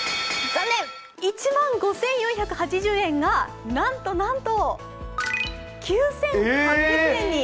残念、１万５４８０円が、なんとなんと９８００円に！